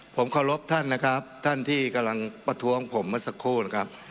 ผมเคารพท่านนะครับท่านที่กำลังประท้วงผมเมื่อสักครู่นะครับ